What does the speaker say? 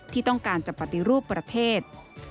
ที่ต้องการจะปฏิรูปประเทศ